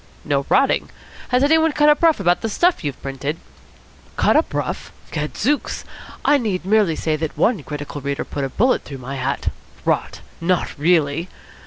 "No rotting. Has anybody cut up rough about the stuff you've printed?" "Cut up rough? Gadzooks! I need merely say that one critical reader put a bullet through my hat " "Rot! Not really?"